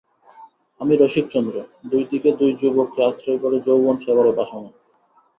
আমি রসিকচন্দ্র– দুই দিকে দুই যুবককে আশ্রয় করে যৌবনসাগরে ভাসমান।